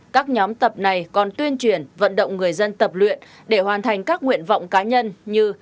các nhóm tập này còn tuyên truyền vận động người dân tập luyện để hoàn thành các nguyện vọng cá nhân như